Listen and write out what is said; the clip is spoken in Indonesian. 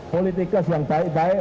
politikers yang baik baik